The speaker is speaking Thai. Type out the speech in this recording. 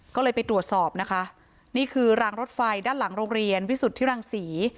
ก็เลยไปตรวจสอบนะคะนี่คือรางรถไฟด้านหลังโรงเรียนวิสุทธิรังศรี